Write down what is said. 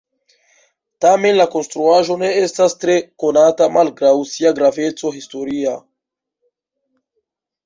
Tamen la konstruaĵo ne estas tre konata malgraŭ sia graveco historia.